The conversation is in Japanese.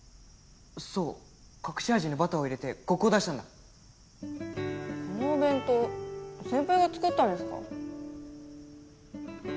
そう隠し味にバターを入れてコクを出したんだこのお弁当先輩が作ったんですか？